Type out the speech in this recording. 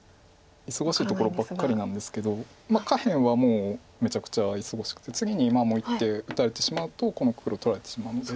忙しいところばっかりなんですけど下辺はもうめちゃくちゃ忙しくて次にもう一手打たれてしまうとこの黒取られてしまうので。